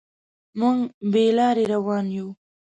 موږ بې لارې روان یو.